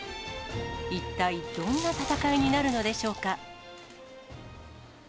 一体どんな戦いになるのでしょうか。